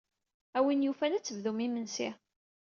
A win yufan ad tebdum imensi.